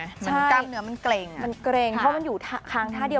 เหมือนกล้ามเนื้อมันเกร็งมันเกร็งเพราะมันอยู่ค้างท่าเดียว